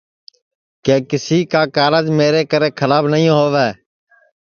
کہ کیسی کا کارج میری کرے کھراب نائی ہؤے